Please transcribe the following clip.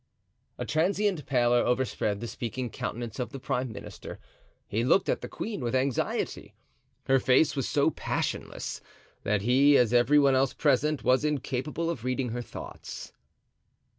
A transient pallor overspread the speaking countenance of the prime minister; he looked at the queen with anxiety. Her face was so passionless, that he, as every one else present, was incapable of reading her thoughts.